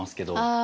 あ。